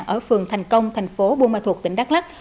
ở phường thành công thành phố buôn ma thuột tỉnh đắk lắc